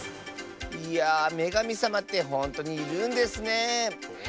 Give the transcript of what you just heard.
いやめがみさまってほんとにいるんですねえ。